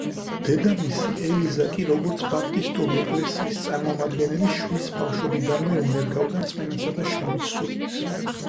დედამისი ელიზა კი, როგორც ბაპტისტური ეკლესიის წარმომადგენელი, შვილს ბავშვობიდანვე უნერგავდა რწმენასა და შრომის სურვილს.